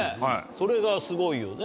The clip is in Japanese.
それがすごいよね。